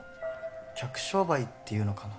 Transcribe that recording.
客商売っていうのかな。